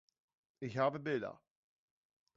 Ich habe Bilder.